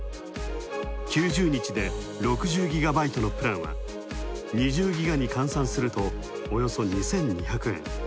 ９０日で６０ギガバイトのプランは２０ギガに換算するとおよそおよそ２２００円。